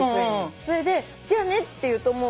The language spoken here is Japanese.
それでじゃあねって言うともう。